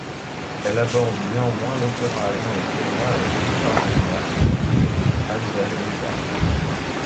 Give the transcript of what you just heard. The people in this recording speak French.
Elle aborde néanmoins l'opéra allemand et viennois avec Richard Wagner, Gluck, Haendel et Mozart.